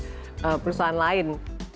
jadi itu adalah perusahaan lain